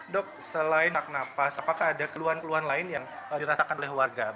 dok selain hak napas apakah ada keluhan keluhan lain yang dirasakan oleh warga